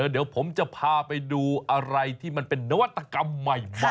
เดี๋ยวผมจะพาไปดูอะไรที่มันเป็นนวัตกรรมใหม่